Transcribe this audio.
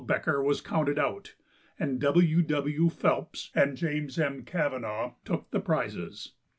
Becker was counted out, and W. W. Phelps and James M. Cavanaugh took the prizes.